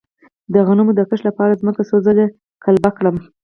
د غنمو د کښت لپاره ځمکه څو ځله قلبه کړم؟